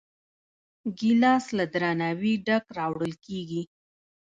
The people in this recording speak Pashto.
ګیلاس له درناوي ډک راوړل کېږي.